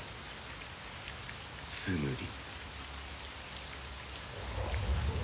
ツムリ。